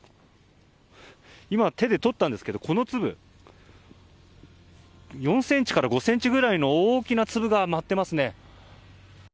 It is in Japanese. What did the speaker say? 今、手で取ったんですけどこの粒４ｃｍから５ｃｍくらいの大きな粒が舞ってますね。